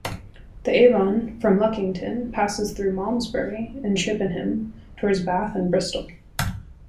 The Avon, from Luckington, passes through Malmesbury and Chippenham towards Bath and Bristol.